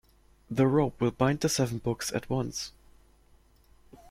The rope will bind the seven books at once.